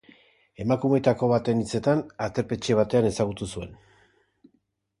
Emakumeetako baten hitzetan, aterpetxe batean ezagutu zuen.